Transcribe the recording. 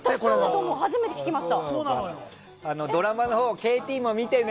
初めて聞きました。